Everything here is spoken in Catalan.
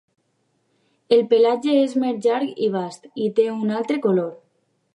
El pelatge és més llarg i bast i té un altre color.